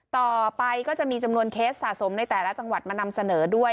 ต่อไปก็จะมีจำนวนเคสสะสมในแต่ละจังหวัดมานำเสนอด้วย